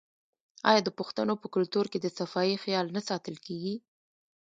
آیا د پښتنو په کلتور کې د صفايي خیال نه ساتل کیږي؟